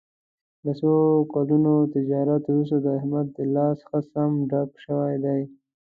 له څو کلونو تجارت ورسته د احمد لاس ښه سم ډک شوی دی.